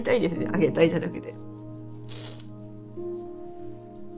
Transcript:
「あげたい」じゃなくて。